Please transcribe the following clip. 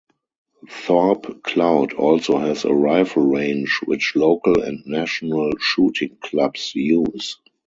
Thorpe Cloud also has a rifle range which local and national shooting clubs use.